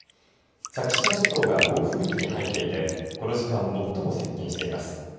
先島諸島が暴風域に入っていてこの時間、最も接近しています。